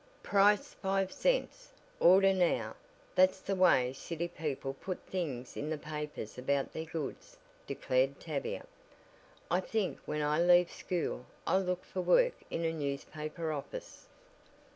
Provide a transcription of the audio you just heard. "Price five cents! Order now! That's the way city people put things in the papers about their goods," declared Tavia. "I think when I leave school I'll look for work in a newspaper office."